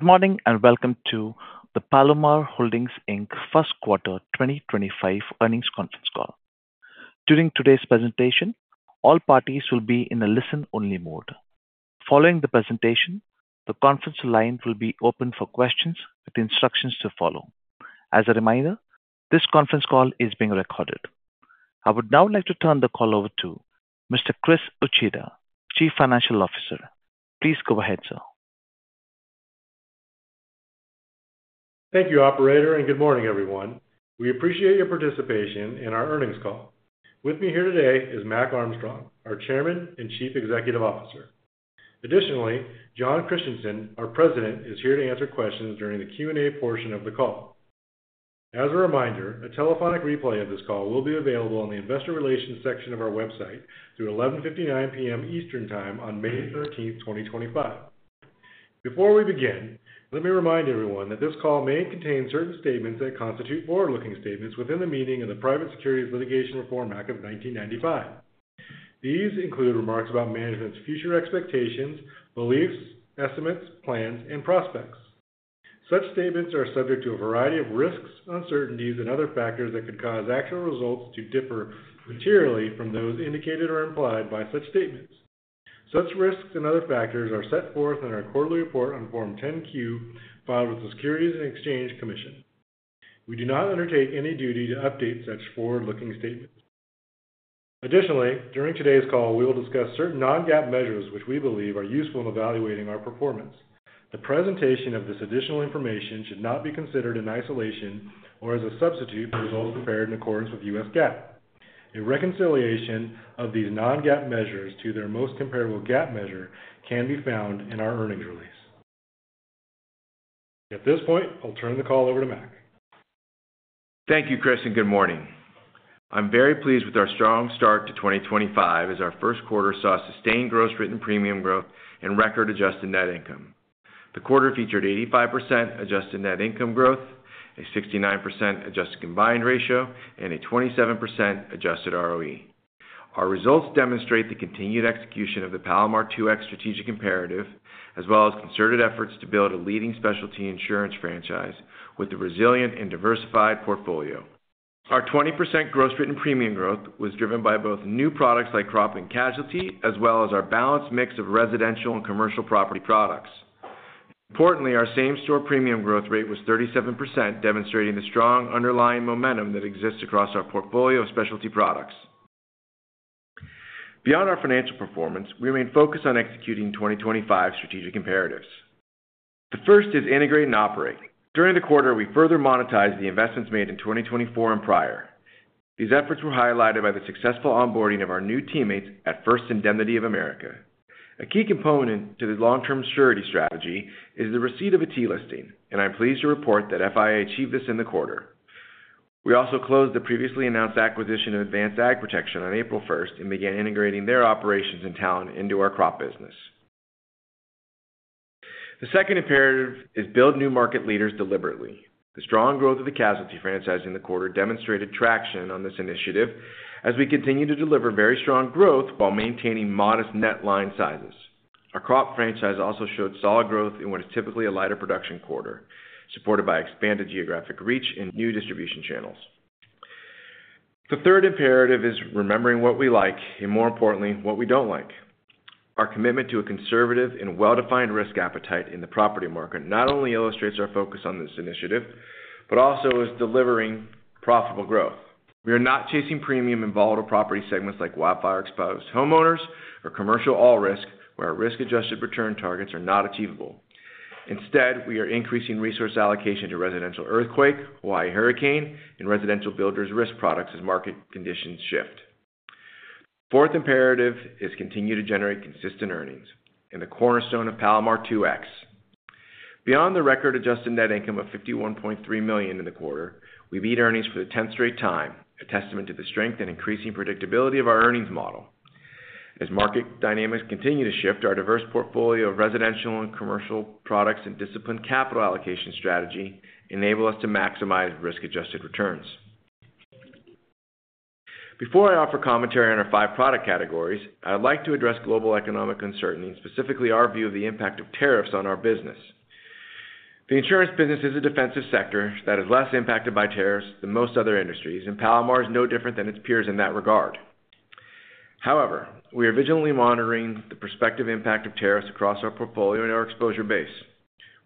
Good morning and welcome to the Palomar Holdings First Quarter 2025 earnings conference call. During today's presentation, all parties will be in a listen-only mode. Following the presentation, the conference line will be open for questions with instructions to follow. As a reminder, this conference call is being recorded. I would now like to turn the call over to Mr. Chris Uchida, Chief Financial Officer. Please go ahead, sir. Thank you, Operator, and good morning, everyone. We appreciate your participation in our earnings call. With me here today is Mac Armstrong, our Chairman and Chief Executive Officer. Additionally, Jon Christianson, our President, is here to answer questions during the Q&A portion of the call. As a reminder, a telephonic replay of this call will be available on the Investor Relations section of our website through 11:59 P.M. Eastern Time on May 13, 2025. Before we begin, let me remind everyone that this call may contain certain statements that constitute forward-looking statements within the meaning of the Private Securities Litigation Reform Act of 1995. These include remarks about management's future expectations, beliefs, estimates, plans, and prospects. Such statements are subject to a variety of risks, uncertainties, and other factors that could cause actual results to differ materially from those indicated or implied by such statements. Such risks and other factors are set forth in our quarterly report on Form 10-Q filed with the Securities and Exchange Commission. We do not undertake any duty to update such forward-looking statements. Additionally, during today's call, we will discuss certain non-GAAP measures which we believe are useful in evaluating our performance. The presentation of this additional information should not be considered in isolation or as a substitute for results prepared in accordance with US GAAP. A reconciliation of these non-GAAP measures to their most comparable GAAP measure can be found in our earnings release. At this point, I'll turn the call over to Mac. Thank you, Chris, and good morning. I'm very pleased with our strong start to 2025 as our first quarter saw sustained gross written premium growth and record-adjusted net income. The quarter featured 85% adjusted net income growth, a 69% adjusted combined ratio, and a 27% adjusted ROE. Our results demonstrate the continued execution of the Palomar 2X strategic imperative, as well as concerted efforts to build a leading specialty insurance franchise with a resilient and diversified portfolio. Our 20% gross written premium growth was driven by both new products like crop and casualty, as well as our balanced mix of residential and commercial property products. Importantly, our same-store premium growth rate was 37%, demonstrating the strong underlying momentum that exists across our portfolio of specialty products. Beyond our financial performance, we remain focused on executing 2025 strategic imperatives. The first is integrate and operate. During the quarter, we further monetized the investments made in 2024 and prior. These efforts were highlighted by the successful onboarding of our new teammates at First Indemnity of America. A key component to the long-term security strategy is the receipt of a T-listing, and I'm pleased to report that FIA achieved this in the quarter. We also closed the previously announced acquisition of Advanced Ag Protection on April 1 and began integrating their operations and talent into our crop business. The second imperative is to build new market leaders deliberately. The strong growth of the casualty franchise in the quarter demonstrated traction on this initiative as we continue to deliver very strong growth while maintaining modest net line sizes. Our crop franchise also showed solid growth in what is typically a lighter production quarter, supported by expanded geographic reach and new distribution channels. The third imperative is remembering what we like and, more importantly, what we do not like. Our commitment to a conservative and well-defined risk appetite in the property market not only illustrates our focus on this initiative, but also is delivering profitable growth. We are not chasing premium in volatile property segments like wildfire-exposed homeowners or commercial all-risk, where our risk-adjusted return targets are not achievable. Instead, we are increasing resource allocation to residential earthquake, Hawaii hurricane, and residential builders' risk products as market conditions shift. The fourth imperative is to continue to generate consistent earnings and the cornerstone of Palomar 2X. Beyond the record-adjusted net income of $51.3 million in the quarter, we beat earnings for the 10th straight time, a testament to the strength and increasing predictability of our earnings model. As market dynamics continue to shift, our diverse portfolio of residential and commercial products and disciplined capital allocation strategy enable us to maximize risk-adjusted returns. Before I offer commentary on our five product categories, I would like to address global economic uncertainty and specifically our view of the impact of tariffs on our business. The insurance business is a defensive sector that is less impacted by tariffs than most other industries, and Palomar is no different than its peers in that regard. However, we are vigilantly monitoring the prospective impact of tariffs across our portfolio and our exposure base.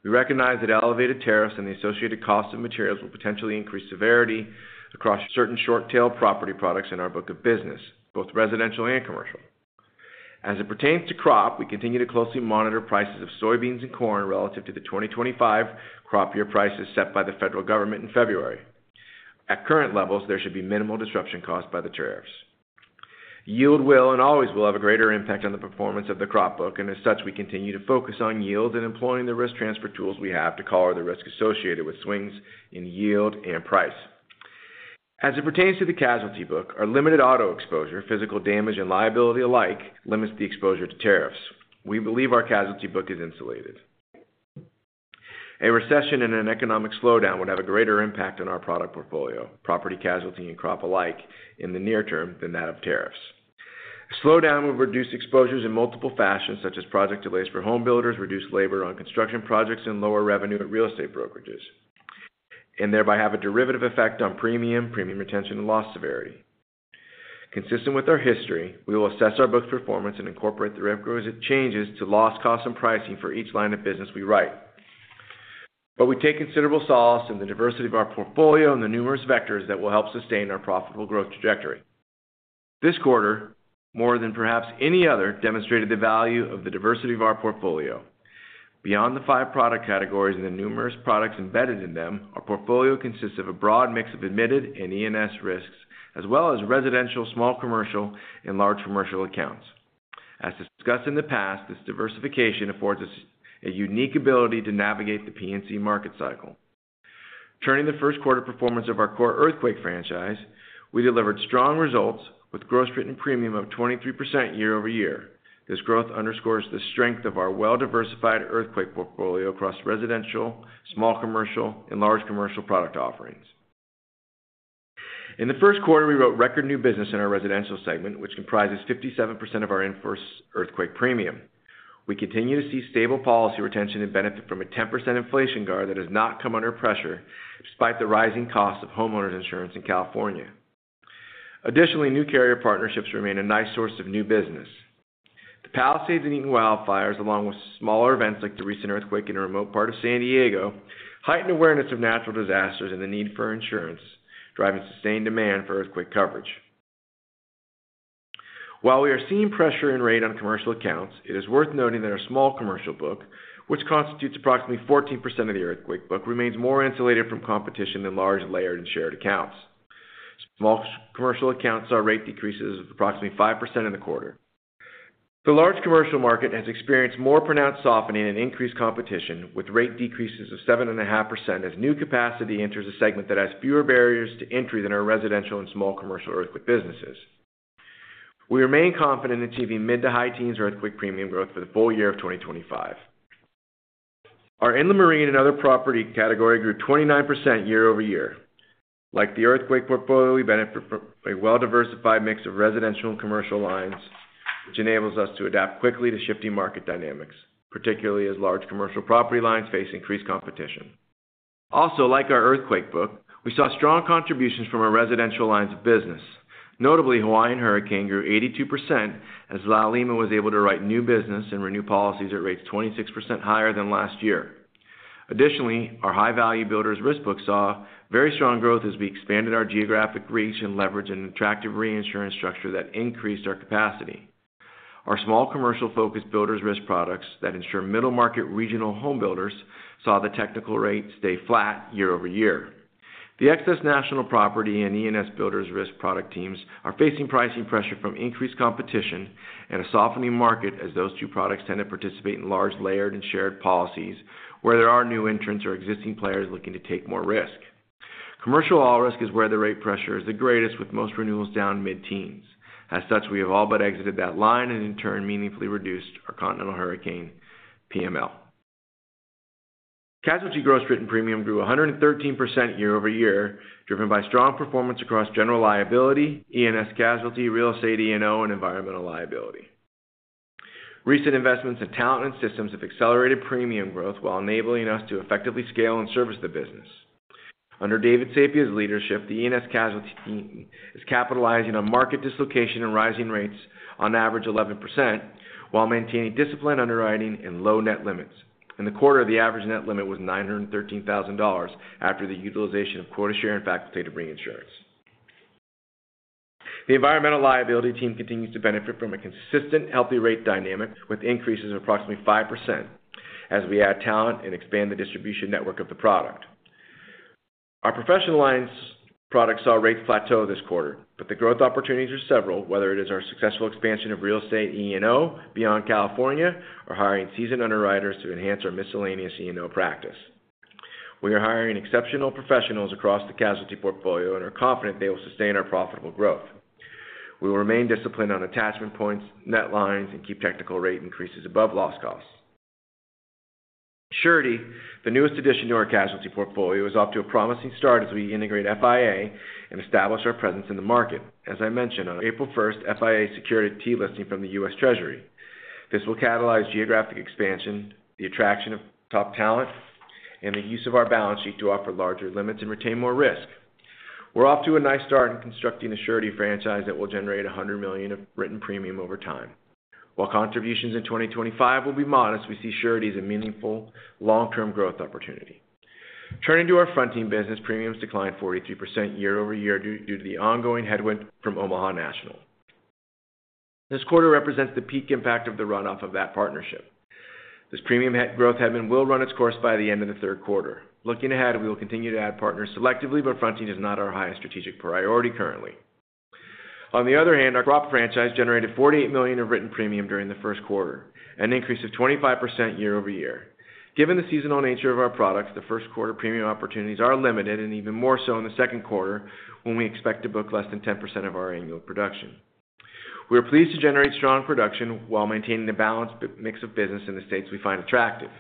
We recognize that elevated tariffs and the associated cost of materials will potentially increase severity across certain short-tail property products in our book of business, both residential and commercial. As it pertains to crop, we continue to closely monitor prices of soybeans and corn relative to the 2025 crop year prices set by the federal government in February. At current levels, there should be minimal disruption caused by the tariffs. Yield will and always will have a greater impact on the performance of the crop book, and as such, we continue to focus on yield and employing the risk transfer tools we have to color the risk associated with swings in yield and price. As it pertains to the casualty book, our limited auto exposure, physical damage, and liability alike limits the exposure to tariffs. We believe our casualty book is insulated. A recession and an economic slowdown would have a greater impact on our product portfolio, property casualty, and crop alike in the near term than that of tariffs. A slowdown would reduce exposures in multiple fashions, such as project delays for home builders, reduced labor on construction projects, and lower revenue at real estate brokerages, and thereby have a derivative effect on premium, premium retention, and loss severity. Consistent with our history, we will assess our book's performance and incorporate the requisite changes to loss costs and pricing for each line of business we write. We take considerable solace in the diversity of our portfolio and the numerous vectors that will help sustain our profitable growth trajectory. This quarter, more than perhaps any other, demonstrated the value of the diversity of our portfolio. Beyond the five product categories and the numerous products embedded in them, our portfolio consists of a broad mix of admitted and E&S risks, as well as residential, small commercial, and large commercial accounts. As discussed in the past, this diversification affords us a unique ability to navigate the P&C market cycle. Turning to the first quarter performance of our core earthquake franchise, we delivered strong results with gross written premium of 23% year over year. This growth underscores the strength of our well-diversified earthquake portfolio across residential, small commercial, and large commercial product offerings. In the first quarter, we wrote record new business in our residential segment, which comprises 57% of our in-force earthquake premium. We continue to see stable policy retention and benefit from a 10% inflation guard that has not come under pressure despite the rising costs of homeowners insurance in California. Additionally, new carrier partnerships remain a nice source of new business. The Palisades and Eaton wildfires, along with smaller events like the recent earthquake in a remote part of San Diego, heighten awareness of natural disasters and the need for insurance, driving sustained demand for earthquake coverage. While we are seeing pressure in rate on commercial accounts, it is worth noting that our small commercial book, which constitutes approximately 14% of the earthquake book, remains more insulated from competition than large layered and shared accounts. Small commercial accounts saw rate decreases of approximately 5% in the quarter. The large commercial market has experienced more pronounced softening and increased competition, with rate decreases of 7.5% as new capacity enters a segment that has fewer barriers to entry than our residential and small commercial earthquake businesses. We remain confident in achieving mid to high teens earthquake premium growth for the full year of 2025. Our inland marine and other property category grew 29% year over year. Like the earthquake portfolio, we benefit from a well-diversified mix of residential and commercial lines, which enables us to adapt quickly to shifting market dynamics, particularly as large commercial property lines face increased competition. Also, like our earthquake book, we saw strong contributions from our residential lines of business. Notably, Hawaiian Hurricane grew 82% as La Lima was able to write new business and renew policies at rates 26% higher than last year. Additionally, our high-value builders' risk book saw very strong growth as we expanded our geographic reach and leveraged an attractive reinsurance structure that increased our capacity. Our small commercial-focused builders' risk products that insure middle-market regional home builders saw the technical rate stay flat year over year. The excess national property and E&S builders' risk product teams are facing pricing pressure from increased competition and a softening market as those two products tend to participate in large layered and shared policies where there are new entrants or existing players looking to take more risk. Commercial all-risk is where the rate pressure is the greatest, with most renewals down mid-teens. As such, we have all but exited that line and in turn meaningfully reduced our continental hurricane PML. Casualty gross written premium grew 113% year over year, driven by strong performance across general liability, E&S casualty, real estate E&O, and environmental liability. Recent investments in talent and systems have accelerated premium growth while enabling us to effectively scale and service the business. Under David Sapia's leadership, the E&S casualty team is capitalizing on market dislocation and rising rates on average 11% while maintaining disciplined underwriting and low net limits. In the quarter, the average net limit was $913,000 after the utilization of quota share and facultative reinsurance. The environmental liability team continues to benefit from a consistent healthy rate dynamic with increases of approximately 5% as we add talent and expand the distribution network of the product. Our professional lines product saw rates plateau this quarter, but the growth opportunities are several, whether it is our successful expansion of real estate E&O beyond California or hiring seasoned underwriters to enhance our miscellaneous E&O practice. We are hiring exceptional professionals across the casualty portfolio and are confident they will sustain our profitable growth. We will remain disciplined on attachment points, net lines, and keep technical rate increases above loss costs. Surety, the newest addition to our casualty portfolio, is off to a promising start as we integrate FIA and establish our presence in the market. As I mentioned, on April 1, FIA secured a T-listing from the U.S. Treasury. This will catalyze geographic expansion, the attraction of top talent, and the use of our balance sheet to offer larger limits and retain more risk. We're off to a nice start in constructing a Surety franchise that will generate $100 million of written premium over time. While contributions in 2025 will be modest, we see Surety as a meaningful long-term growth opportunity. Turning to our fronting business, premiums declined 43% year over year due to the ongoing headwind from Omaha National. This quarter represents the peak impact of the runoff of that partnership. This premium growth headwind will run its course by the end of the third quarter. Looking ahead, we will continue to add partners selectively, but fronting is not our highest strategic priority currently. On the other hand, our crop franchise generated $48 million of written premium during the first quarter, an increase of 25% year over year. Given the seasonal nature of our products, the first quarter premium opportunities are limited, and even more so in the second quarter when we expect to book less than 10% of our annual production. We are pleased to generate strong production while maintaining the balanced mix of business in the states we find attractive.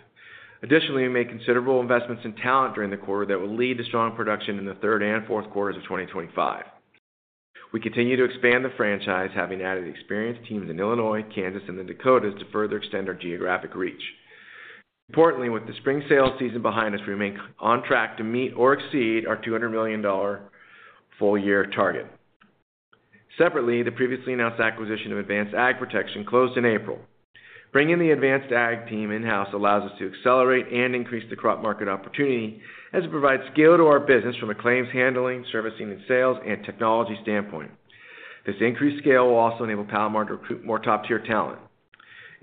Additionally, we made considerable investments in talent during the quarter that will lead to strong production in the third and fourth quarters of 2025. We continue to expand the franchise, having added experienced teams in Illinois, Kansas, and the Dakotas to further extend our geographic reach. Importantly, with the spring sale season behind us, we remain on track to meet or exceed our $200 million full-year target. Separately, the previously announced acquisition of Advanced Ag Protection closed in April. Bringing the Advanced Ag team in-house allows us to accelerate and increase the crop market opportunity as it provides skill to our business from a claims handling, servicing, and sales and technology standpoint. This increased scale will also enable Palomar to recruit more top-tier talent.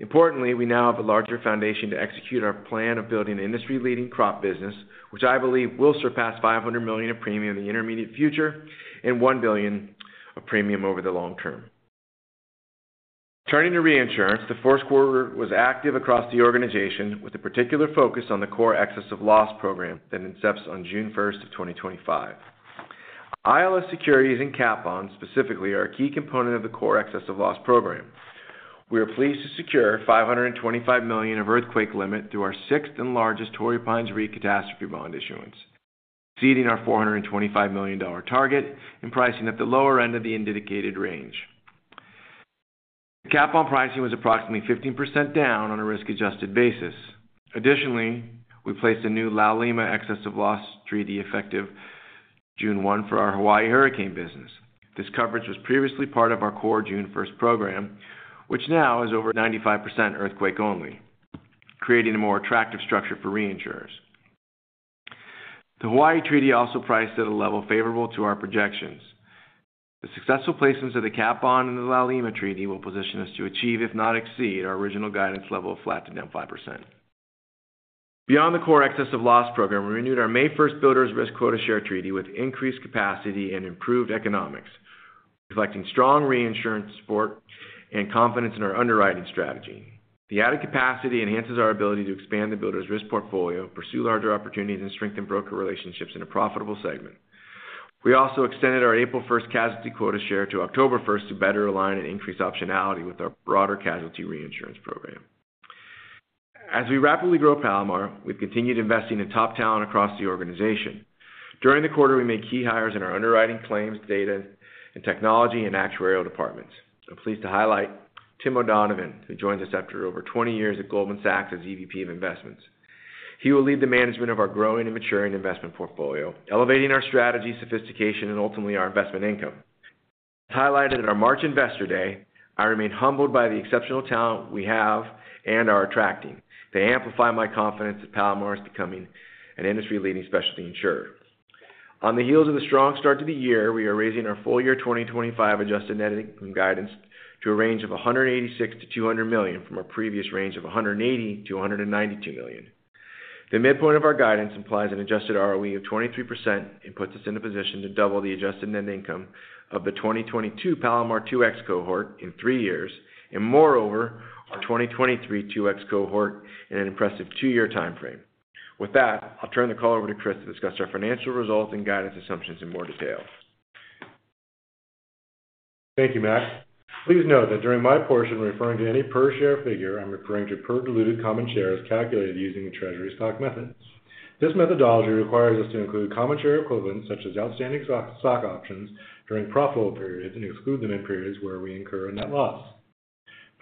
Importantly, we now have a larger foundation to execute our plan of building an industry-leading crop business, which I believe will surpass $500 million of premium in the intermediate future and $1 billion of premium over the long term. Turning to reinsurance, the fourth quarter was active across the organization with a particular focus on the core excess loss program that incepts on June 1 of 2025. ILS securities and cat bonds specifically are a key component of the core Excess Loss Program. We are pleased to secure $525 million of earthquake limit through our sixth and largest Torrey Pines Re Catastrophe Bond issuance, exceeding our $425 million target and pricing at the lower end of the indicated range. The cat bond pricing was approximately 15% down on a risk-adjusted basis. Additionally, we placed a new La Lima Excess Loss treaty effective June 1 for our Hawaii hurricane business. This coverage was previously part of our core June 1 program, which now is over 95% earthquake only, creating a more attractive structure for reinsurers. The Hawaii treaty also priced at a level favorable to our projections. The successful placements of the cat bond and the La Lima treaty will position us to achieve, if not exceed, our original guidance level of flat to down 5%. Beyond the core excessive loss program, we renewed our May 1 builders' risk quota share treaty with increased capacity and improved economics, reflecting strong reinsurance support and confidence in our underwriting strategy. The added capacity enhances our ability to expand the builders' risk portfolio, pursue larger opportunities, and strengthen broker relationships in a profitable segment. We also extended our April 1 casualty quota share to October 1 to better align and increase optionality with our broader casualty reinsurance program. As we rapidly grow Palomar, we've continued investing in top talent across the organization. During the quarter, we made key hires in our underwriting, claims, data, and technology and actuarial departments. I'm pleased to highlight Tim O'Donovan, who joined us after over 20 years at Goldman Sachs as EVP of investments. He will lead the management of our growing and maturing investment portfolio, elevating our strategy, sophistication, and ultimately our investment income. As highlighted at our March Investor Day, I remain humbled by the exceptional talent we have and are attracting. They amplify my confidence that Palomar is becoming an industry-leading specialty insurer. On the heels of the strong start to the year, we are raising our full year 2025 adjusted net income guidance to a range of $186-$200 million from our previous range of $180-$192 million. The midpoint of our guidance implies an adjusted ROE of 23% and puts us in a position to double the adjusted net income of the 2022 Palomar 2X cohort in three years and, moreover, our 2023 2X cohort in an impressive two-year timeframe. With that, I'll turn the call over to Chris to discuss our financial results and guidance assumptions in more detail. Thank you, Matt. Please note that during my portion referring to any per share figure, I'm referring to per diluted common shares calculated using the treasury stock method. This methodology requires us to include common share equivalents such as outstanding stock options during profitable periods and exclude them in periods where we incur a net loss.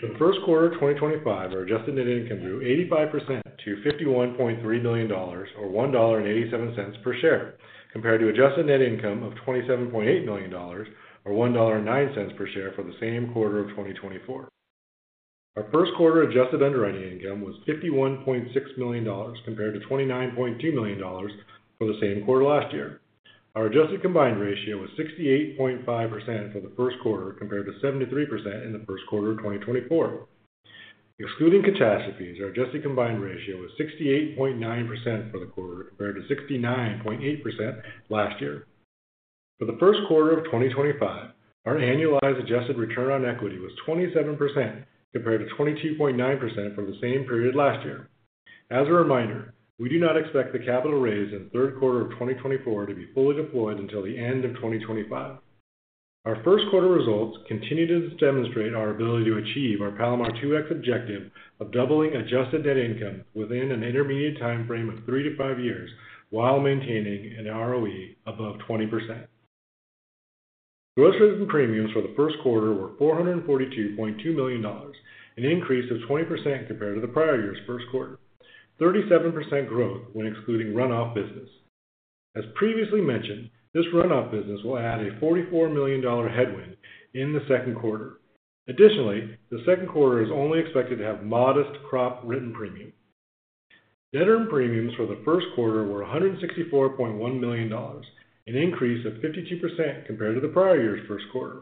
For the first quarter of 2025, our adjusted net income grew 85% to $51.3 million or $1.87 per share, compared to adjusted net income of $27.8 million or $1.09 per share for the same quarter of 2024. Our first quarter adjusted underwriting income was $51.6 million compared to $29.2 million for the same quarter last year. Our adjusted combined ratio was 68.5% for the first quarter compared to 73% in the first quarter of 2024. Excluding catastrophes, our adjusted combined ratio was 68.9% for the quarter compared to 69.8% last year. For the first quarter of 2025, our annualized adjusted return on equity was 27% compared to 22.9% for the same period last year. As a reminder, we do not expect the capital raised in the third quarter of 2024 to be fully deployed until the end of 2025. Our first quarter results continue to demonstrate our ability to achieve our Palomar 2X objective of doubling adjusted net income within an intermediate timeframe of three to five years while maintaining an ROE above 20%. Gross rates and premiums for the first quarter were $442.2 million, an increase of 20% compared to the prior year's first quarter. 37% growth when excluding runoff business. As previously mentioned, this runoff business will add a $44 million headwind in the second quarter. Additionally, the second quarter is only expected to have modest crop written premium. Net earned premiums for the first quarter were $164.1 million, an increase of 52% compared to the prior year's first quarter.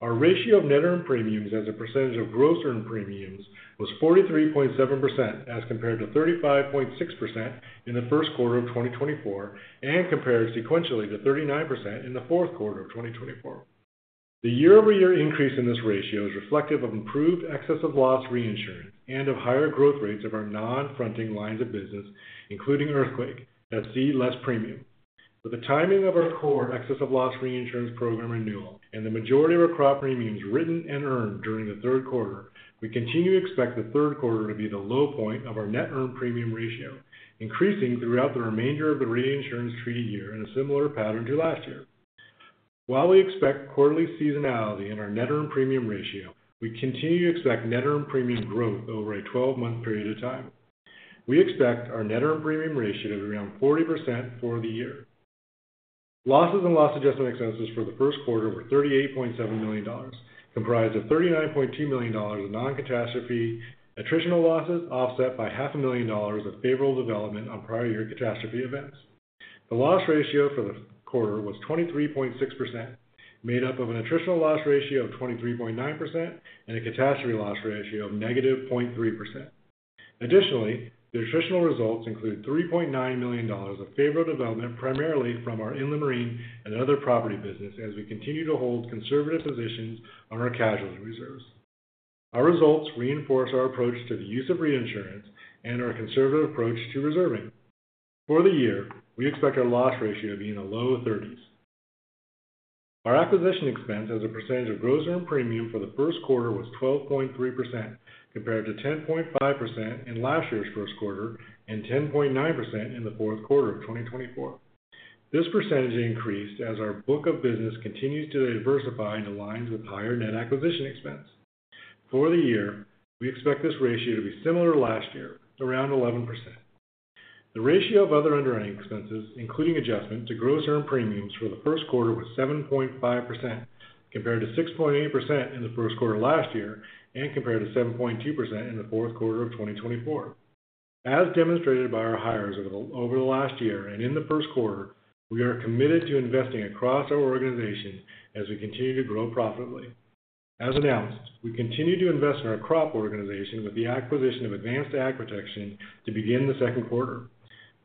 Our ratio of net earned premiums as a percentage of gross earned premiums was 43.7% as compared to 35.6% in the first quarter of 2024 and compared sequentially to 39% in the fourth quarter of 2024. The year-over-year increase in this ratio is reflective of improved excess loss reinsurance and of higher growth rates of our non-fronting lines of business, including earthquake, that see less premium. With the timing of our core excess loss reinsurance program renewal and the majority of our crop premiums written and earned during the third quarter, we continue to expect the third quarter to be the low point of our net earned premium ratio, increasing throughout the remainder of the reinsurance treaty year in a similar pattern to last year. While we expect quarterly seasonality in our net earned premium ratio, we continue to expect net earned premium growth over a 12-month period of time. We expect our net earned premium ratio to be around 40% for the year. Losses and loss adjustment expenses for the first quarter were $38.7 million, comprised of $39.2 million of non-catastrophe attritional losses offset by $500,000 of favorable development on prior year catastrophe events. The loss ratio for the quarter was 23.6%, made up of an attritional loss ratio of 23.9% and a catastrophe loss ratio of negative 0.3%. Additionally, the attritional results include $3.9 million of favorable development primarily from our inland marine and other property business as we continue to hold conservative positions on our casualty reserves. Our results reinforce our approach to the use of reinsurance and our conservative approach to reserving. For the year, we expect our loss ratio to be in the low 30s. Our acquisition expense as a percentage of gross earned premium for the first quarter was 12.3% compared to 10.5% in last year's first quarter and 10.9% in the fourth quarter of 2024. This percentage increased as our book of business continues to diversify and aligns with higher net acquisition expense. For the year, we expect this ratio to be similar to last year, around 11%. The ratio of other underwriting expenses, including adjustment to gross earned premiums for the first quarter, was 7.5% compared to 6.8% in the first quarter last year and compared to 7.2% in the fourth quarter of 2024. As demonstrated by our hires over the last year and in the first quarter, we are committed to investing across our organization as we continue to grow profitably. As announced, we continue to invest in our crop organization with the acquisition of Advanced Ag Protection to begin the second quarter.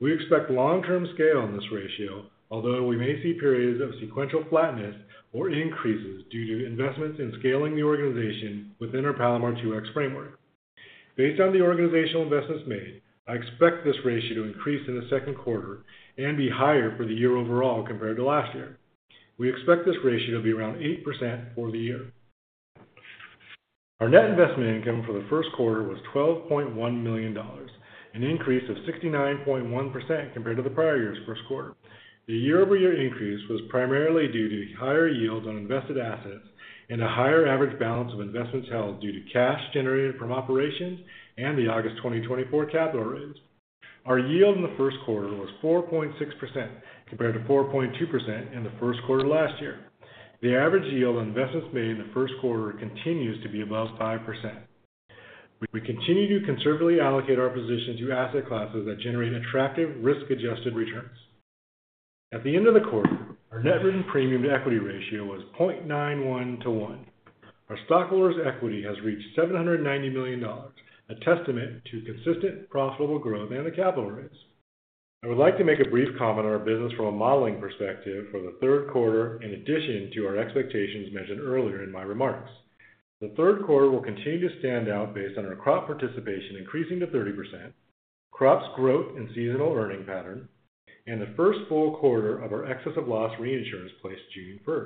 We expect long-term scale in this ratio, although we may see periods of sequential flatness or increases due to investments in scaling the organization within our Palomar 2X framework. Based on the organizational investments made, I expect this ratio to increase in the second quarter and be higher for the year overall compared to last year. We expect this ratio to be around 8% for the year. Our net investment income for the first quarter was $12.1 million, an increase of 69.1% compared to the prior year's first quarter. The year-over-year increase was primarily due to higher yields on invested assets and a higher average balance of investments held due to cash generated from operations and the August 2024 capital raise. Our yield in the first quarter was 4.6% compared to 4.2% in the first quarter last year. The average yield on investments made in the first quarter continues to be above 5%. We continue to conservatively allocate our position to asset classes that generate attractive risk-adjusted returns. At the end of the quarter, our net written premium to equity ratio was 0.91 to 1. Our stockholders' equity has reached $790 million, a testament to consistent profitable growth and the capital raise. I would like to make a brief comment on our business from a modeling perspective for the third quarter, in addition to our expectations mentioned earlier in my remarks. The third quarter will continue to stand out based on our crop participation increasing to 30%, crops' growth and seasonal earning pattern, and the first full quarter of our excess loss reinsurance placed June 1.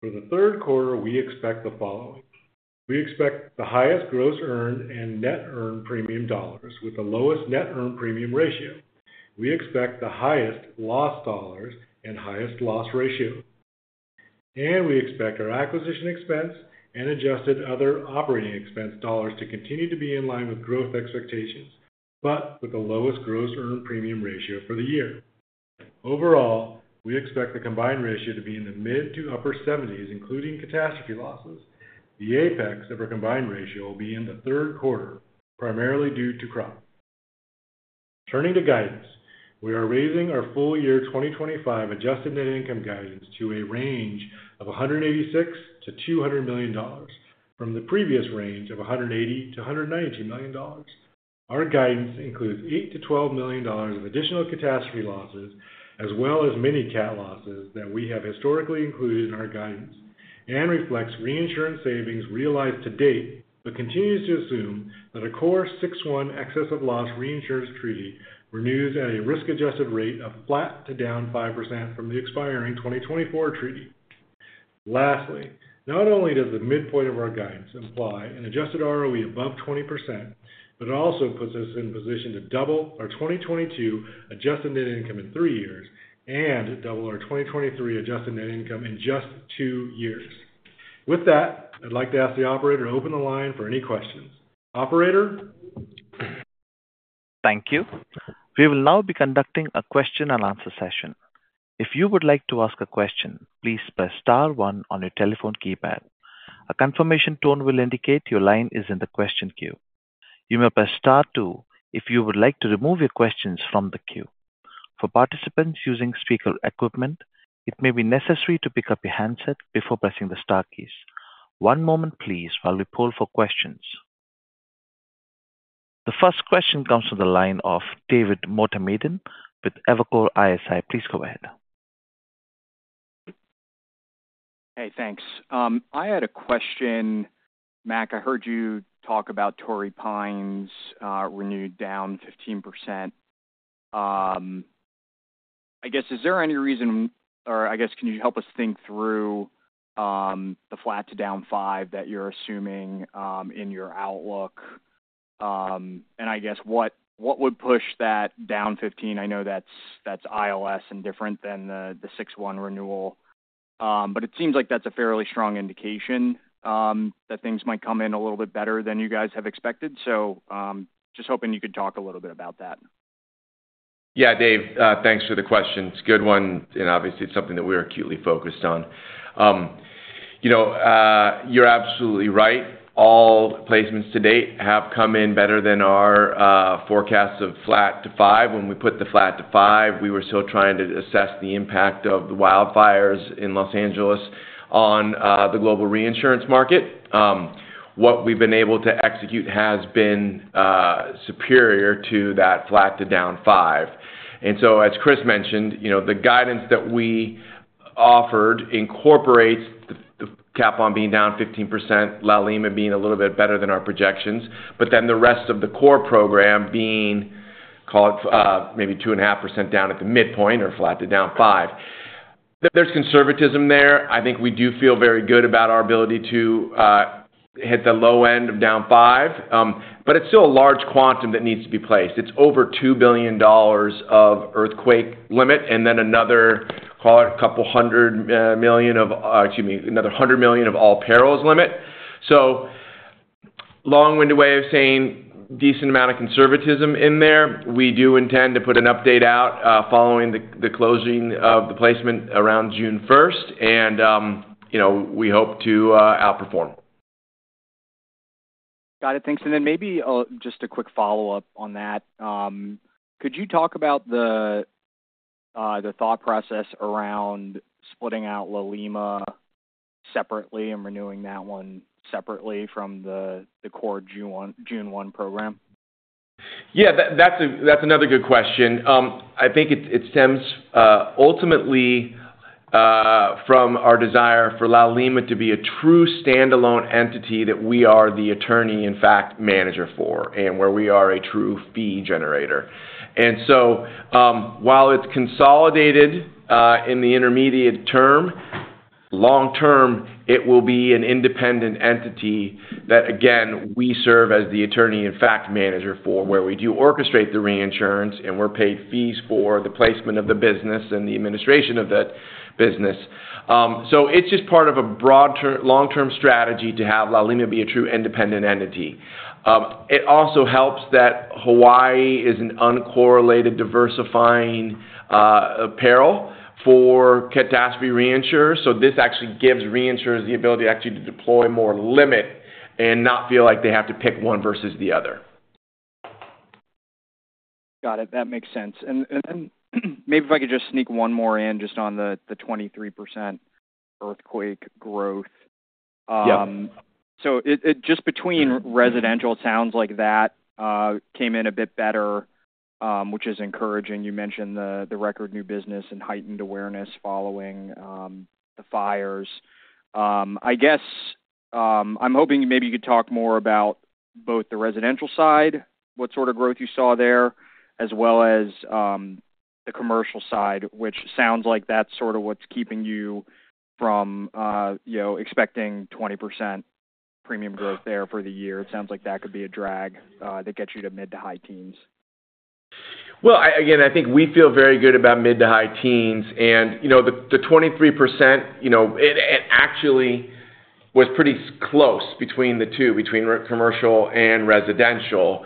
For the third quarter, we expect the following. We expect the highest gross earned and net earned premium dollars with the lowest net earned premium ratio. We expect the highest loss dollars and highest loss ratio. We expect our acquisition expense and adjusted other operating expense dollars to continue to be in line with growth expectations, but with the lowest gross earned premium ratio for the year. Overall, we expect the combined ratio to be in the mid to upper 70s, including catastrophe losses. The apex of our combined ratio will be in the third quarter, primarily due to crop. Turning to guidance, we are raising our full year 2025 adjusted net income guidance to a range of $186 million-$200 million from the previous range of $180 million-$192 million. Our guidance includes $8 million-$12 million of additional catastrophe losses, as well as many cat losses that we have historically included in our guidance and reflects reinsurance savings realized to date, but continues to assume that a Core June 1 excess loss reinsurance treaty renews at a risk-adjusted rate of flat to down 5% from the expiring 2024 treaty. Lastly, not only does the midpoint of our guidance imply an adjusted ROE above 20%, but it also puts us in a position to double our 2022 adjusted net income in three years and double our 2023 adjusted net income in just two years. With that, I'd like to ask the operator to open the line for any questions. Operator. Thank you. We will now be conducting a question and answer session. If you would like to ask a question, please press Star 1 on your telephone keypad. A confirmation tone will indicate your line is in the question queue. You may press Star 2 if you would like to remove your questions from the queue. For participants using speaker equipment, it may be necessary to pick up your handset before pressing the Star keys. One moment, please, while we poll for questions. The first question comes from the line of David Motemaden with Evercore ISI. Please go ahead. Hey, thanks. I had a question, Mac. I heard you talk about Torrey Pines renewed down 15%. I guess, is there any reason, or I guess, can you help us think through the flat to down 5 that you're assuming in your outlook? And I guess, what would push that down 15? I know that's ILS and different than the 6-1 renewal, but it seems like that's a fairly strong indication that things might come in a little bit better than you guys have expected. So just hoping you could talk a little bit about that. Yeah, Dave, thanks for the question. It's a good one, and obviously, it's something that we're acutely focused on. You're absolutely right. All placements to date have come in better than our forecasts of flat to 5. When we put the flat to 5, we were still trying to assess the impact of the wildfires in Los Angeles on the global reinsurance market. What we've been able to execute has been superior to that flat to down 5%. As Chris mentioned, the guidance that we offered incorporates the Cap On being down 15%, La Lima being a little bit better than our projections, but then the rest of the core program being, call it, maybe 2.5% down at the midpoint or flat to down 5%. There's conservatism there. I think we do feel very good about our ability to hit the low end of down 5%, but it's still a large quantum that needs to be placed. It's over $2 billion of earthquake limit and then another, call it, a couple hundred million of, excuse me, another $100 million of all perils limit. Long-winded way of saying decent amount of conservatism in there. We do intend to put an update out following the closing of the placement around June 1, and we hope to outperform. Got it. Thanks. Maybe just a quick follow-up on that. Could you talk about the thought process around splitting out La Lima separately and renewing that one separately from the core June 1 program? Yeah, that's another good question. I think it stems ultimately from our desire for La Lima to be a true standalone entity that we are the attorney, in fact, manager for, and where we are a true fee generator. While it's consolidated in the intermediate term, long-term, it will be an independent entity that, again, we serve as the attorney, in fact, manager for, where we do orchestrate the reinsurance and we're paid fees for the placement of the business and the administration of that business. It is just part of a broad long-term strategy to have La Lima be a true independent entity. It also helps that Hawaii is an uncorrelated diversifying peril for catastrophe reinsurers. This actually gives reinsurers the ability to deploy more limit and not feel like they have to pick one versus the other. Got it. That makes sense. Maybe if I could just sneak one more in just on the 23% earthquake growth. Just between residential, it sounds like that came in a bit better, which is encouraging. You mentioned the record new business and heightened awareness following the fires. I guess I am hoping maybe you could talk more about both the residential side, what sort of growth you saw there, as well as the commercial side, which sounds like that is sort of what is keeping you from expecting 20% premium growth there for the year. It sounds like that could be a drag that gets you to mid to high teens. I think we feel very good about mid to high teens. The 23% actually was pretty close between the two, between commercial and residential.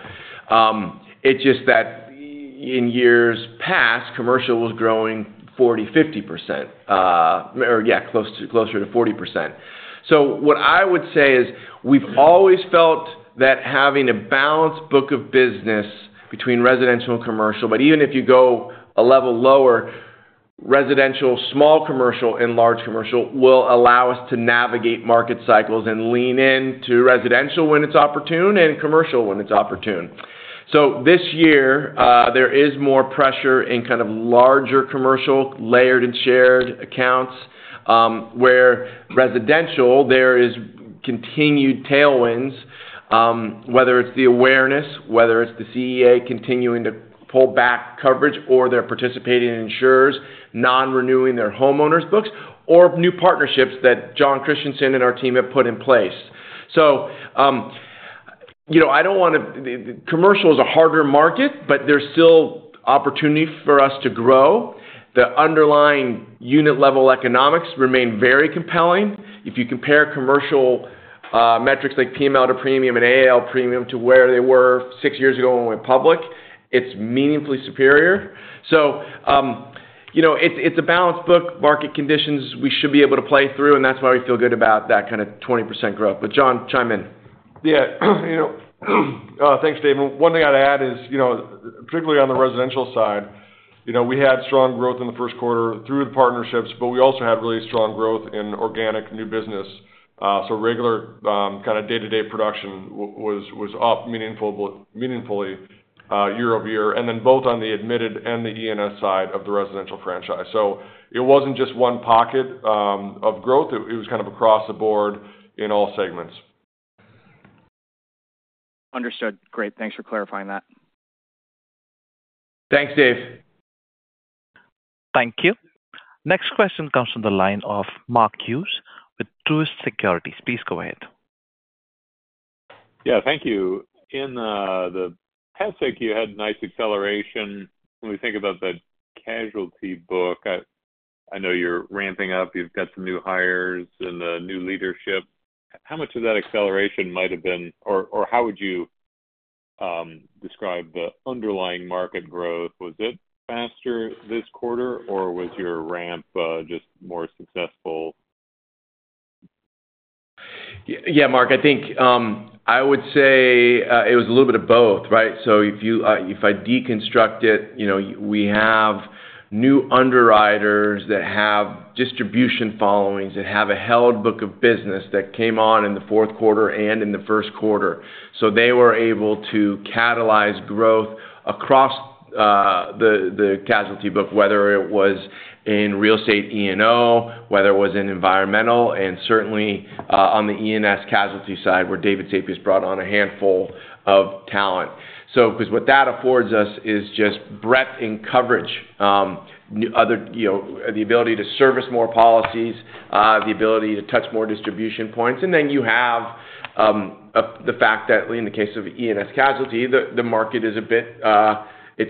It's just that in years past, commercial was growing 40-50%, or yeah, closer to 40%. What I would say is we've always felt that having a balanced book of business between residential and commercial, but even if you go a level lower, residential, small commercial, and large commercial will allow us to navigate market cycles and lean into residential when it's opportune and commercial when it's opportune. This year, there is more pressure in kind of larger commercial layered and shared accounts where residential, there is continued tailwinds, whether it's the awareness, whether it's the CEA continuing to pull back coverage, or their participating insurers non-renewing their homeowners books, or new partnerships that Jon Christianson and our team have put in place. I do not want to—commercial is a harder market, but there is still opportunity for us to grow. The underlying unit-level economics remain very compelling. If you compare commercial metrics like PML to premium and AAL premium to where they were six years ago when we went public, it is meaningfully superior. It is a balanced book market conditions we should be able to play through, and that is why we feel good about that kind of 20% growth. Jon, chime in. Yeah. Thanks, David. One thing I'd add is, particularly on the residential side, we had strong growth in the first quarter through the partnerships, but we also had really strong growth in organic new business. Regular kind of day-to-day production was up meaningfully year over year, and then both on the admitted and the E&S side of the residential franchise. It was not just one pocket of growth. It was kind of across the board in all segments. Understood. Great. Thanks for clarifying that. Thanks, Dave. Thank you. Next question comes from the line of Mark Hughes with Truist Securities. Please go ahead. Yeah, thank you. In the past, you had nice acceleration. When we think about the casualty book, I know you're ramping up. You've got some new hires and new leadership. How much of that acceleration might have been, or how would you describe the underlying market growth? Was it faster this quarter, or was your ramp just more successful? Yeah, Mark, I think I would say it was a little bit of both, right? If I deconstruct it, we have new underwriters that have distribution followings that have a held book of business that came on in the fourth quarter and in the first quarter. They were able to catalyze growth across the casualty book, whether it was in real estate E&O, whether it was in environmental, and certainly on the E&S casualty side, where David Sapia brought on a handful of talent. What that affords us is just breadth in coverage, the ability to service more policies, the ability to touch more distribution points. You have the fact that in the case of E&S casualty, the market is a bit,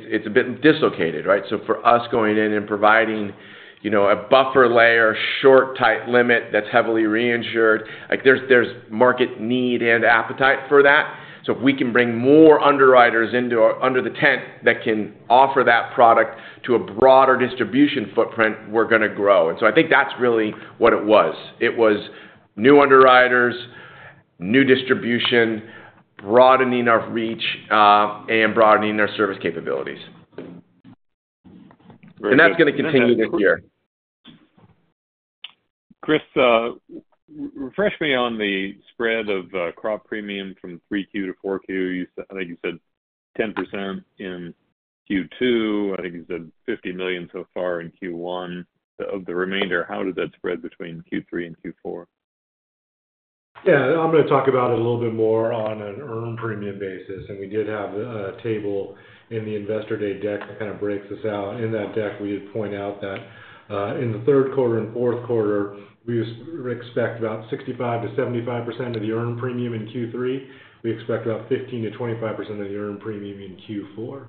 it's a bit dislocated, right? For us, going in and providing a buffer layer, short, tight limit that's heavily reinsured, there's market need and appetite for that. If we can bring more underwriters under the tent that can offer that product to a broader distribution footprint, we're going to grow. I think that's really what it was. It was new underwriters, new distribution, broadening our reach, and broadening our service capabilities. That's going to continue this year. Chris, refresh me on the spread of crop premium from Q3 to Q4. I think you said 10% in Q2. I think you said $50 million so far in Q1. Of the remainder, how did that spread between Q3 and Q4? Yeah, I'm going to talk about it a little bit more on an earned premium basis. We did have a table in the investor day deck that kind of breaks this out. In that deck, we did point out that in the third quarter and fourth quarter, we expect about 65-75% of the earned premium in Q3. We expect about 15-25% of the earned premium in Q4.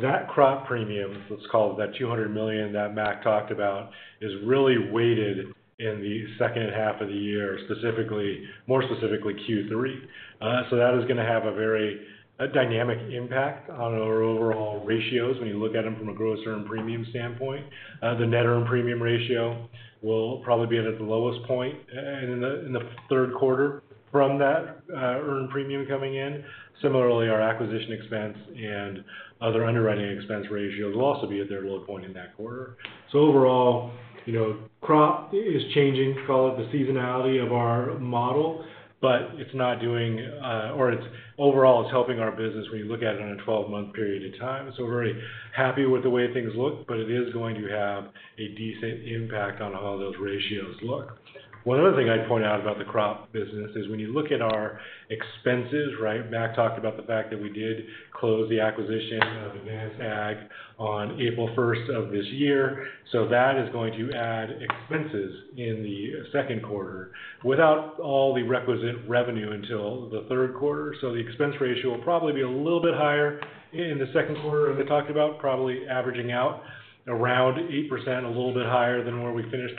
That crop premium, let's call it that $200 million that Mac talked about, is really weighted in the second half of the year, more specifically Q3. That is going to have a very dynamic impact on our overall ratios when you look at them from a gross earned premium standpoint. The net earned premium ratio will probably be at its lowest point in the third quarter from that earned premium coming in. Similarly, our acquisition expense and other underwriting expense ratios will also be at their low point in that quarter. Overall, crop is changing, call it the seasonality of our model, but it's not doing—or it's overall, it's helping our business when you look at it on a 12-month period of time. We're very happy with the way things look, but it is going to have a decent impact on how those ratios look. One other thing I'd point out about the crop business is when you look at our expenses, right? Mac talked about the fact that we did close the acquisition of Advanced Ag on April 1 of this year. That is going to add expenses in the second quarter without all the requisite revenue until the third quarter. The expense ratio will probably be a little bit higher in the second quarter than they talked about, probably averaging out around 8%, a little bit higher than where we finished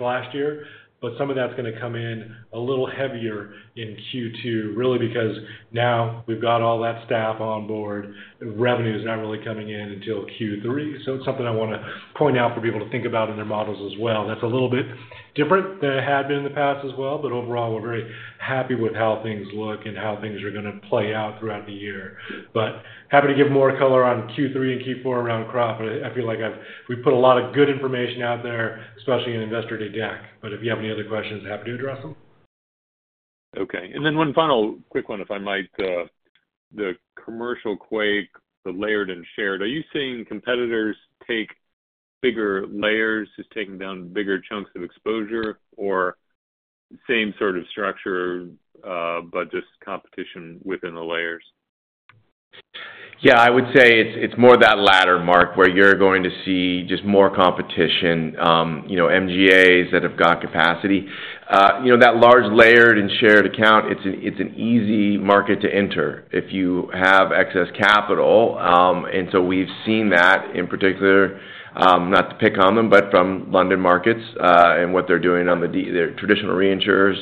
last year. Some of that's going to come in a little heavier in Q2, really, because now we've got all that staff on board. Revenue is not really coming in until Q3. It's something I want to point out for people to think about in their models as well. That's a little bit different than it had been in the past as well. Overall, we're very happy with how things look and how things are going to play out throughout the year. Happy to give more color on Q3 and Q4 around crop. I feel like we put a lot of good information out there, especially in investor day deck. If you have any other questions, happy to address them. Okay. One final quick one, if I might. The commercial quake, the layered and shared, are you seeing competitors take bigger layers, just taking down bigger chunks of exposure, or same sort of structure but just competition within the layers? Yeah, I would say it's more that latter, Mark, where you're going to see just more competition, MGAs that have got capacity. That large layered and shared account, it's an easy market to enter if you have excess capital. We've seen that in particular, not to pick on them, but from London markets and what they're doing on their traditional reinsurers,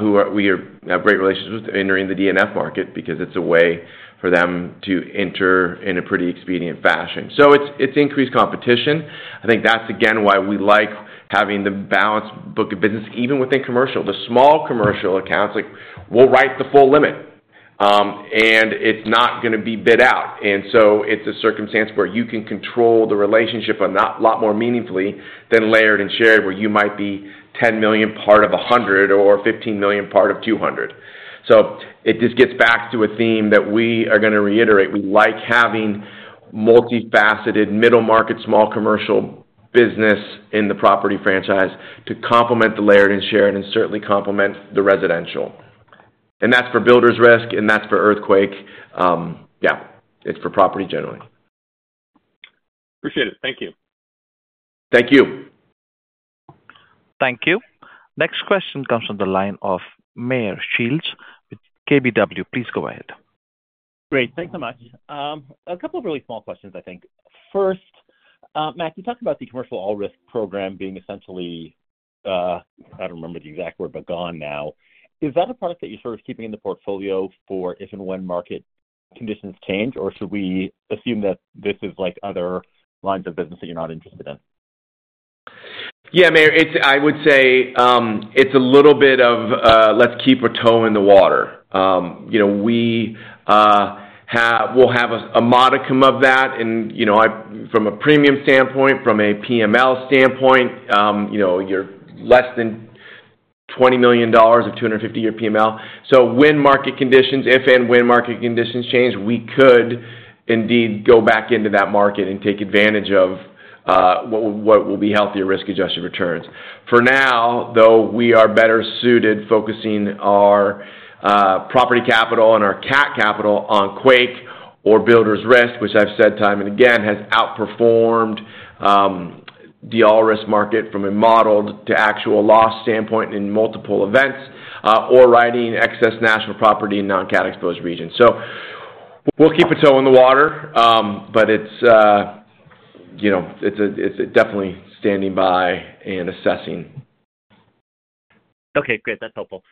who we have great relations with entering the D&F market because it's a way for them to enter in a pretty expedient fashion. It's increased competition. I think that's, again, why we like having the balanced book of business, even within commercial. The small commercial accounts, we'll write the full limit, and it's not going to be bid out. It's a circumstance where you can control the relationship a lot more meaningfully than layered and shared, where you might be $10 million part of $100 million or $15 million part of $200 million. It just gets back to a theme that we are going to reiterate. We like having multifaceted middle market, small commercial business in the property franchise to complement the layered and shared and certainly complement the residential. That's for builders' risk, and that's for earthquake. Yeah, it's for property generally. Appreciate it. Thank you. Thank you. Thank you. Next question comes from the line of Meyer Shields with KBW. Please go ahead. Great. Thanks so much. A couple of really small questions, I think. First, Mac, you talked about the commercial all-risk program being essentially—I do not remember the exact word, but gone now. Is that a product that you are sort of keeping in the portfolio for if and when market conditions change, or should we assume that this is like other lines of business that you are not interested in? Yeah, Mayor, I would say it is a little bit of, "Let's keep a toe in the water." We will have a modicum of that. And from a premium standpoint, from a PML standpoint, you are less than $20 million of 250-year PML. When market conditions, if and when market conditions change, we could indeed go back into that market and take advantage of what will be healthier risk-adjusted returns. For now, though, we are better suited focusing our property capital and our CAT capital on quake or builders' risk, which I've said time and again has outperformed the all-risk market from a modeled to actual loss standpoint in multiple events or writing excess national property in non-CAT exposed regions. We'll keep a toe in the water, but it's definitely standing by and assessing. Okay. Great. That's helpful.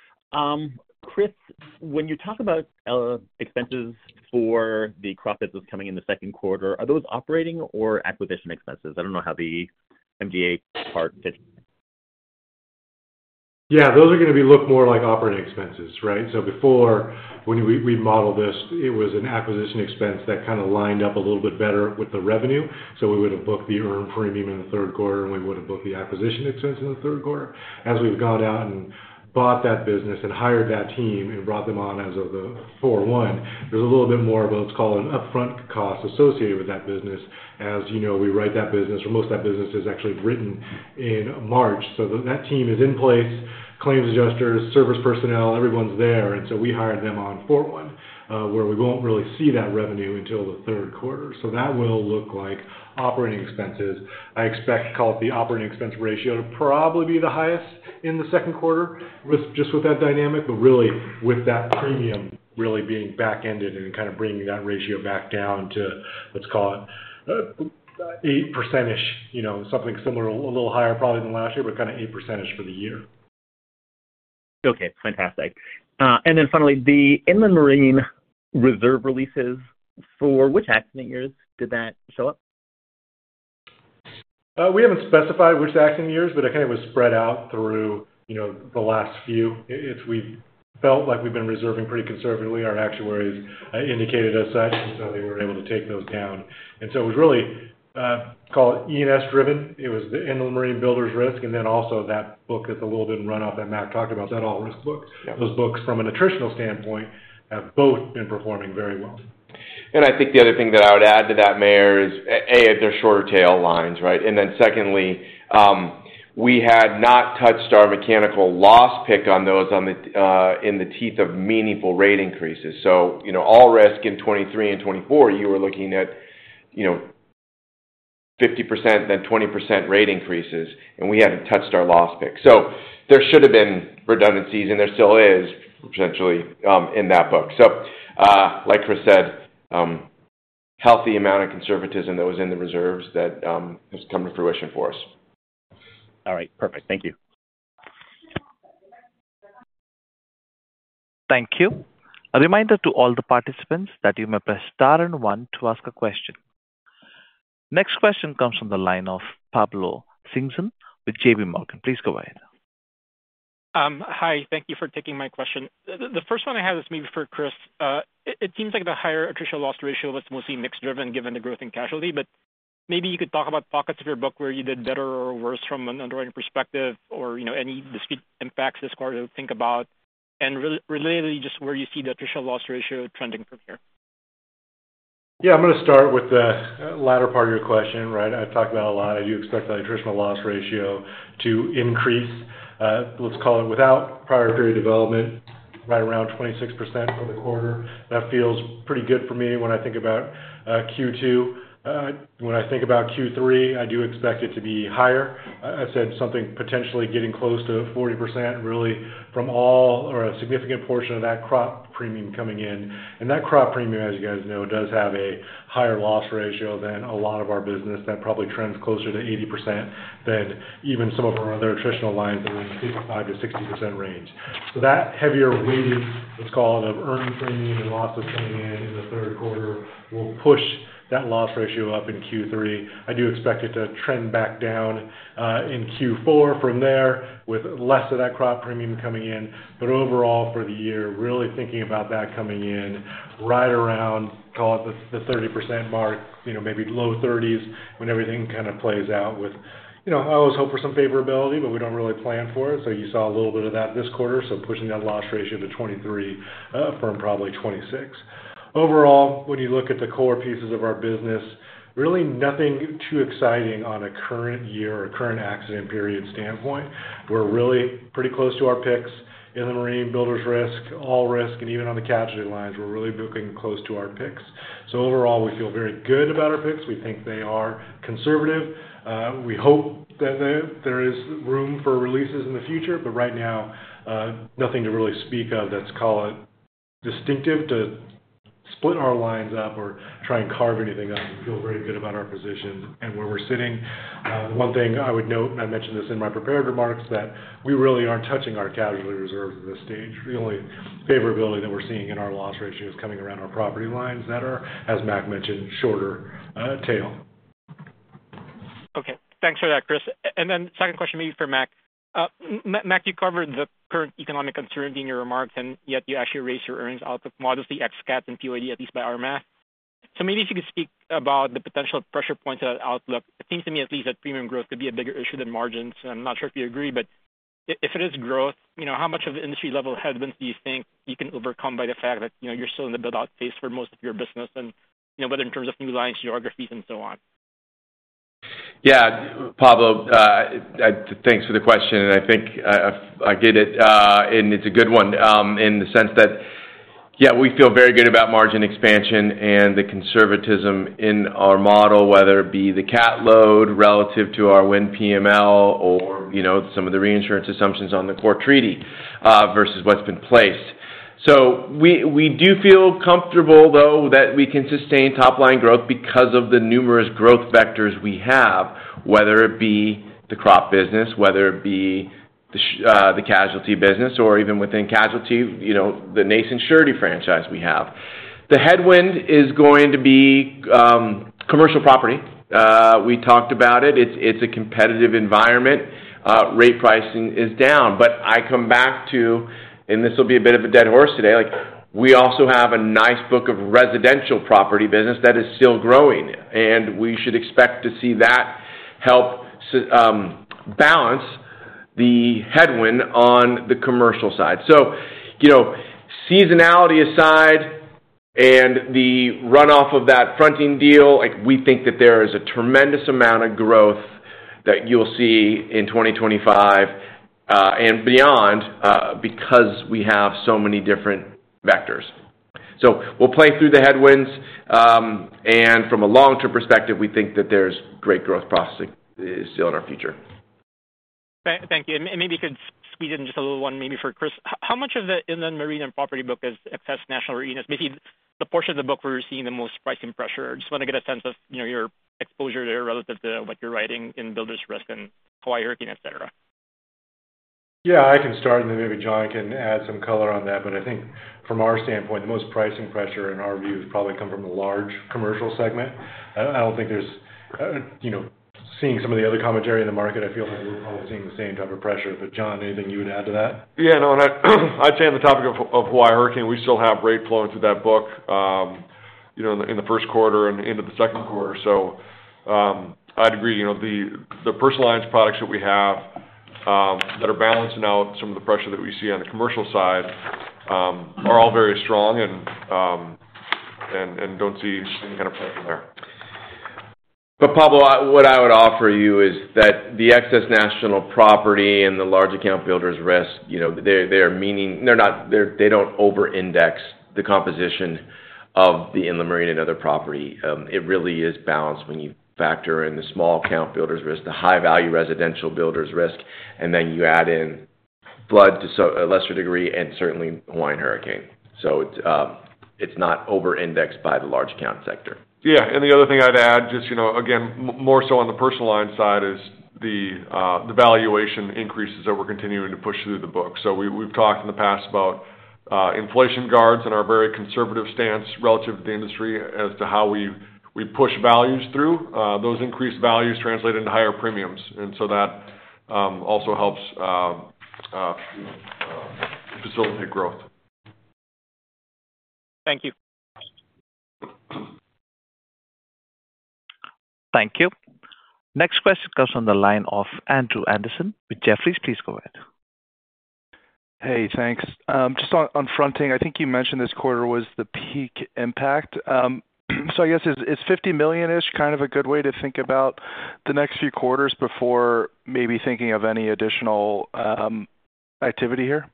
Chris, when you talk about expenses for the crop that's coming in the second quarter, are those operating or acquisition expenses? I don't know how the MGA part fits. Yeah, those are going to look more like operating expenses, right? Before, when we modeled this, it was an acquisition expense that kind of lined up a little bit better with the revenue. We would have booked the earned premium in the third quarter, and we would have booked the acquisition expense in the third quarter. As we've gone out and bought that business and hired that team and brought them on as of 4/1, there's a little bit more of, let's call it, upfront cost associated with that business. As you know, we write that business, or most of that business is actually written in March. That team is in place, claims adjusters, service personnel, everyone's there. We hired them on 4/1, where we won't really see that revenue until the third quarter. That will look like operating expenses. I expect, call it the operating expense ratio, to probably be the highest in the second quarter just with that dynamic, but really with that premium really being back-ended and kind of bringing that ratio back down to, let's call it, 8%-ish, something similar, a little higher probably than last year, but kind of 8%-ish for the year. Okay. Fantastic. Finally, the inland marine reserve releases, for which actioning years did that show up? We haven't specified which actioning years, but it kind of was spread out through the last few. We felt like we've been reserving pretty conservatively. Our actuaries indicated us that, and so they were able to take those down. It was really, call it, E&S-driven. It was the inland marine builders' risk, and then also that book that's a little bit run off that Mac talked about, that all-risk book. Those books, from an attritional standpoint, have both been performing very well. I think the other thing that I would add to that, Meyer, is, A, they're shorter tail lines, right? Secondly, we had not touched our mechanical loss pick on those in the teeth of meaningful rate increases. All risk in 2023 and 2024, you were looking at 50%, then 20% rate increases, and we had not touched our loss pick. There should have been redundancies, and there still is, essentially, in that book. Like Chris said, healthy amount of conservatism that was in the reserves that has come to fruition for us. All right. Perfect. Thank you. Thank you. A reminder to all the participants that you may press star and one to ask a question. Next question comes from the line of Pablo Singzon with JP Morgan. Please go ahead. Hi. Thank you for taking my question. The first one I have is maybe for Chris. It seems like the higher attritional loss ratio was mostly mix-driven given the growth in casualty, but maybe you could talk about pockets of your book where you did better or worse from an underwriting perspective or any dispute impacts this quarter to think about, and relatedly, just where you see the attritional loss ratio trending from here. Yeah, I'm going to start with the latter part of your question, right? I talked about a lot. I do expect that attritional loss ratio to increase, let's call it, without prior period development, right around 26% for the quarter. That feels pretty good for me when I think about Q2. When I think about Q3, I do expect it to be higher. I said something potentially getting close to 40%, really, from all or a significant portion of that crop premium coming in. And that crop premium, as you guys know, does have a higher loss ratio than a lot of our business. That probably trends closer to 80% than even some of our other attritional lines that are in the 55-60% range. So that heavier weighting, let's call it, of earned premium and losses coming in in the third quarter will push that loss ratio up in Q3. I do expect it to trend back down in Q4 from there with less of that crop premium coming in. But overall, for the year, really thinking about that coming in right around, call it, the 30% mark, maybe low 30s when everything kind of plays out with I always hope for some favorability, but we don't really plan for it. You saw a little bit of that this quarter, pushing that loss ratio to 23 from probably 26. Overall, when you look at the core pieces of our business, really nothing too exciting on a current year or current accident period standpoint. We're really pretty close to our picks in the marine, builders' risk, all risk, and even on the casualty lines, we're really booking close to our picks. Overall, we feel very good about our picks. We think they are conservative. We hope that there is room for releases in the future, but right now, nothing to really speak of that's, call it, distinctive to split our lines up or try and carve anything up. We feel very good about our positions. Where we're sitting, the one thing I would note, and I mentioned this in my prepared remarks, is that we really aren't touching our casualty reserves at this stage. The only favorability that we're seeing in our loss ratio is coming around our property lines that are, as Mac mentioned, shorter tail. Okay. Thanks for that, Chris. Second question, maybe for Mac. Mac, you covered the current economic uncertainty in your remarks, and yet you actually raised your earnings out of modestly ex-CAT and PYD, at least by our math. If you could speak about the potential pressure points of that outlook. It seems to me, at least, that premium growth could be a bigger issue than margins. I'm not sure if you agree, but if it is growth, how much of the industry-level headwinds do you think you can overcome by the fact that you're still in the build-out phase for most of your business, and whether in terms of new lines, geographies, and so on? Yeah, Pablo, thanks for the question. I think I get it, and it's a good one in the sense that, yeah, we feel very good about margin expansion and the conservatism in our model, whether it be the CAT load relative to our win PML or some of the reinsurance assumptions on the core treaty versus what's been placed. We do feel comfortable, though, that we can sustain top-line growth because of the numerous growth vectors we have, whether it be the crop business, whether it be the casualty business, or even within casualty, the Nathan Shirdy franchise we have. The headwind is going to be commercial property. We talked about it. It is a competitive environment. Rate pricing is down. I come back to, and this will be a bit of a dead horse today, we also have a nice book of residential property business that is still growing, and we should expect to see that help balance the headwind on the commercial side. Seasonality aside and the runoff of that fronting deal, we think that there is a tremendous amount of growth that you will see in 2025 and beyond because we have so many different vectors. We'll play through the headwinds, and from a long-term perspective, we think that there's great growth prospects still in our future. Thank you. Maybe you could squeeze in just a little one, maybe for Chris. How much of the inland marine and property book has excess national marine? Maybe the portion of the book where you're seeing the most pricing pressure. I just want to get a sense of your exposure there relative to what you're writing in builders' risk and Hawaii hurricane, etc. Yeah, I can start, and then maybe Jon can add some color on that. I think from our standpoint, the most pricing pressure, in our view, has probably come from the large commercial segment. I don't think there's seeing some of the other commentary in the market, I feel like we're probably seeing the same type of pressure. John, anything you would add to that? Yeah, no, and I'd say on the topic of Hawaiian hurricane, we still have rate flow into that book in the first quarter and into the second quarter. I'd agree. The personalized products that we have that are balancing out some of the pressure that we see on the commercial side are all very strong and do not see any kind of pressure there. Pablo, what I would offer you is that the excess national property and the larger count builders' risk, they do not over-index the composition of the inland marine and other property. It really is balanced when you factor in the small count builders' risk, the high-value residential builders' risk, and then you add in flood to a lesser degree and certainly Hawaiian hurricane. It is not over-indexed by the large count sector. Yeah. The other thing I'd add, just again, more so on the personal line side, is the valuation increases that we're continuing to push through the book. We've talked in the past about inflation guards and our very conservative stance relative to the industry as to how we push values through. Those increased values translate into higher premiums, and that also helps facilitate growth. Thank you. Thank you. Next question comes from the line of Andrew Anderson with Jefferies. Please go ahead. Hey, thanks. Just on fronting, I think you mentioned this quarter was the peak impact. I guess is $50 million-ish kind of a good way to think about the next few quarters before maybe thinking of any additional activity here?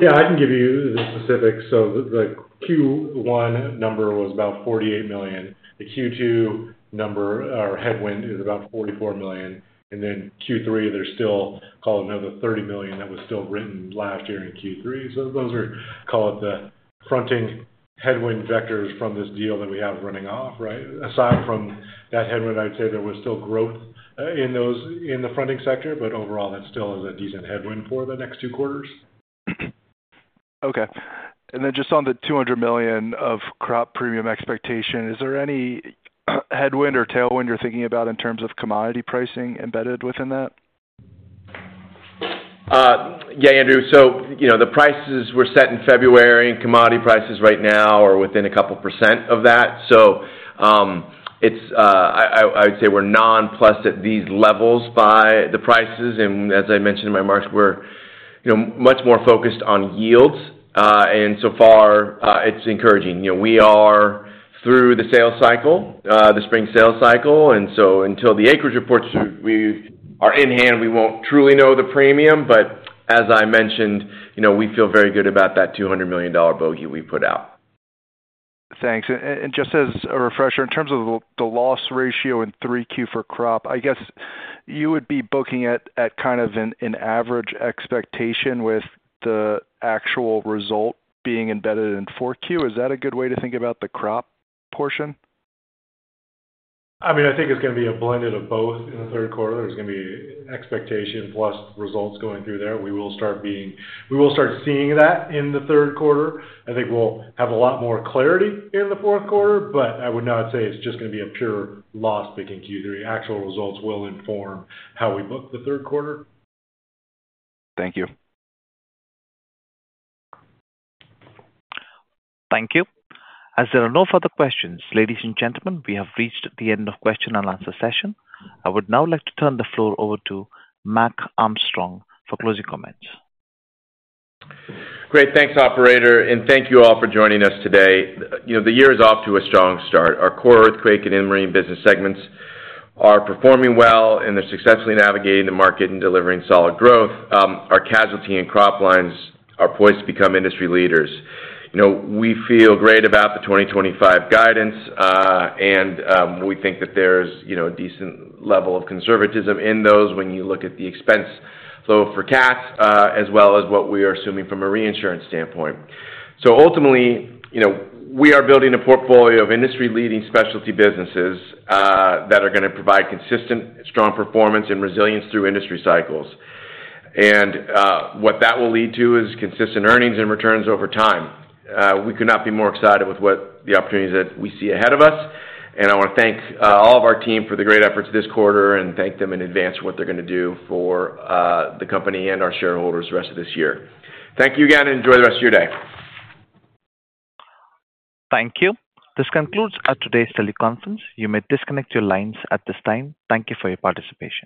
Yeah, I can give you the specifics. The Q1 number was about $48 million. The Q2 number, our headwind, is about $44 million. Q3, there's still, call it, another $30 million that was still written last year in Q3. Those are, call it, the fronting headwind vectors from this deal that we have running off, right? Aside from that headwind, I'd say there was still growth in the fronting sector, but overall, that still is a decent headwind for the next two quarters. Okay. On the $200 million of crop premium expectation, is there any headwind or tailwind you're thinking about in terms of commodity pricing embedded within that? Yeah, Andrew. The prices were set in February, and commodity prices right now are within a couple percent of that. I would say we're non-plus at these levels by the prices. As I mentioned in my marks, we're much more focused on yields. So far, it's encouraging. We are through the sales cycle, the spring sales cycle. Until the acreage reports are in hand, we will not truly know the premium. As I mentioned, we feel very good about that $200 million bogey we put out. Thanks. Just as a refresher, in terms of the loss ratio in 3Q for crop, I guess you would be booking it at kind of an average expectation with the actual result being embedded in 4Q. Is that a good way to think about the crop portion? I mean, I think it is going to be a blended of both in the third quarter. There is going to be expectation plus results going through there. We will start seeing that in the third quarter. I think we'll have a lot more clarity in the fourth quarter, but I would not say it's just going to be a pure loss pick in Q3. Actual results will inform how we book the third quarter. Thank you. Thank you. As there are no further questions, ladies and gentlemen, we have reached the end of the question and answer session. I would now like to turn the floor over to Mac Armstrong for closing comments. Great. Thanks, operator. Thank you all for joining us today. The year is off to a strong start. Our core earthquake and inland marine business segments are performing well, and they're successfully navigating the market and delivering solid growth. Our casualty and crop lines are poised to become industry leaders. We feel great about the 2025 guidance, and we think that there's a decent level of conservatism in those when you look at the expense flow for CATs as well as what we are assuming from a reinsurance standpoint. Ultimately, we are building a portfolio of industry-leading specialty businesses that are going to provide consistent, strong performance and resilience through industry cycles. What that will lead to is consistent earnings and returns over time. We could not be more excited with the opportunities that we see ahead of us. I want to thank all of our team for the great efforts this quarter and thank them in advance for what they're going to do for the company and our shareholders the rest of this year. Thank you again, and enjoy the rest of your day. Thank you. This concludes today's teleconference. You may disconnect your lines at this time. Thank you for your participation.